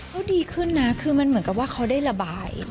ก็ดีขึ้นนะคือมันเหมือนกับว่าเขาได้ระบาย